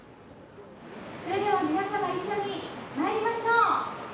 それでは皆様一緒にまいりましょう！